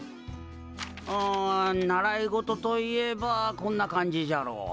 うん習い事といえばこんな感じじゃろ。